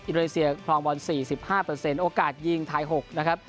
อิดโนเนเซียคลองบอลสี่สิบห้าเปอร์เซ็นต์โอกาสยิงไทยหกนะครับ